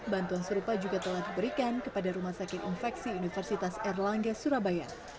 bantuan serupa juga telah diberikan kepada rumah sakit infeksi universitas erlangga surabaya